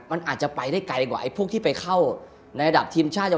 มันอาจจะไปได้ไกลกว่าไอ้พวกที่ไปเข้าในระดับทีมชาติยาว